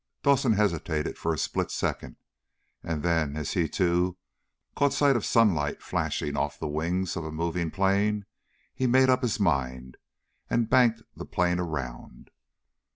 Dawson hesitated for a split second, and then as he, too, caught sight of sunlight flashing off the wings of a moving plane he made up his mind, and banked the plane around.